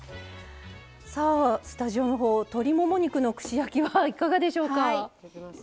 スタジオのほう鶏もも肉の串焼きはいかがでしょうか？